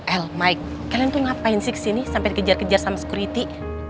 el mike kalian tuh ngapain sih kesini sampai dikejar kejar sama security